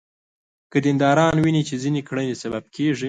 که دینداران ویني چې ځینې کړنې سبب کېږي.